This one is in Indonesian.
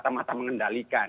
agar nanti penyebaran covid kan